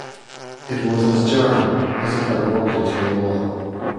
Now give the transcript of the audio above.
It was as jarring, as if I'd walked into a wall.